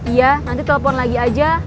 iya nanti telepon lagi aja